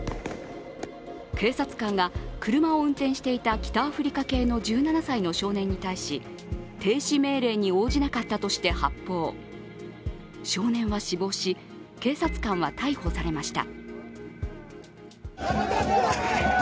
警察官が車を運転していた北アフリカ系の１７歳の少年に対し、停止命令に応じなかったとして発砲少年は死亡し、警察官は逮捕されました。